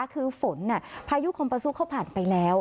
คือฝนพายุคมประสุทธิ์เข้าผ่านไปแล้ว